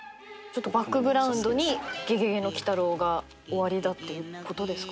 ちょっとバックグラウンドに『ゲゲゲの鬼太郎』がおありだっていうことですかね？